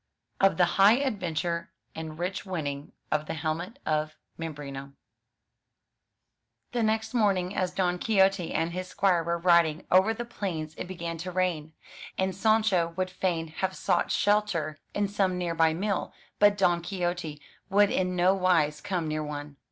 OF THE HIGH ADVENTURE AND RICH WINNING OF THE HELMET OF MAMBRINO THE next morning as Don Quixote and his squire were riding over the plains it began to rain, and Sancho would fain have sought shelter in some near by mill, but Don Quixote would in no wise come near one.